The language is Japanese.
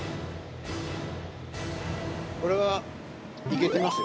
◆これは、いけてますよ。